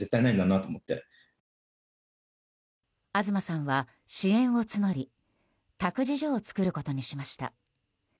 東さんは支援を募り託児所を作ることにしました。